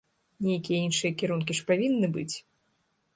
Нейкія іншыя кірункі ж павінны быць!